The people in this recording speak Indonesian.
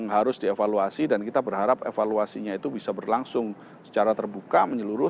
harus dievaluasi dan kita berharap evaluasinya itu bisa berlangsung secara terbuka menyeluruh